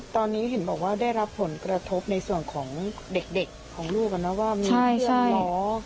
ตอนนี้เห็นบอกว่าได้รับผลกระทบในส่วนของเด็กของลูกว่ามีเสียงหมอ